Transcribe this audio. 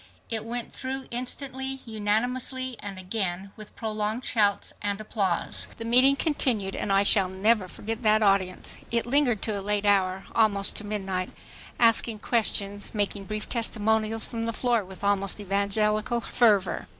It went through instantly, unanimously, and again with prolonged shouts and applause. The meeting continued and I shall never forget that audience. It lingered to a late hour, almost to midnight, asking questions, making brief "testimonials" from the floor with almost evangelical fervor.